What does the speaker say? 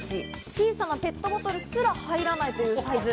小さなペットボトルすら入らないというサイズ。